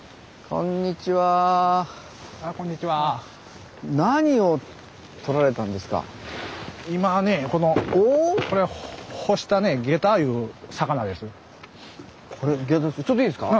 これちょっといいですか？